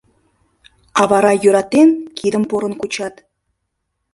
А вара, йӧратен, кидым порын кучат.